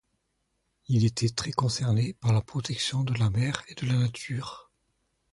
Il était très concerné par la protection de la mer et de la nature.